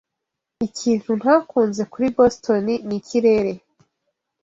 Ikintu ntakunze kuri Boston ni ikirere.